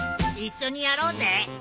一緒にやろうぜ。